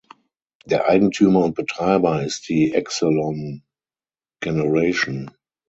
Der Eigentümer und Betreiber ist die Exelon Generation.